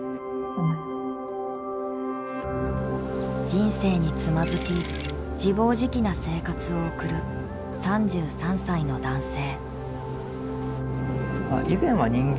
人生につまずき自暴自棄な生活を送る３３歳の男性。